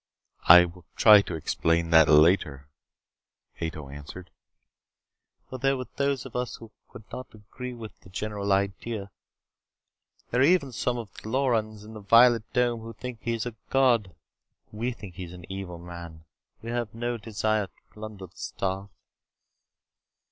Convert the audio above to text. "I will try to explain that later," Ato answered. "Well, there were those of us who could not agree with the general idea. There are even some of the Lorens in the Violet Dome who think he is a god. We think he is an evil man. We have no desire to plunder the stars.